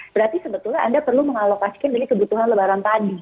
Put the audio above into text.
berarti sebetulnya anda perlu mengalokasikan dari kebutuhan lebaran tadi